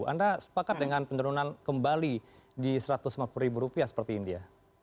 anda sepakat dengan penurunan kembali di rp satu ratus lima puluh seperti india